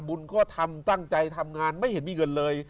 บุญก็ทำตั้งใจทำงานไม่เห็นมีเงินเลย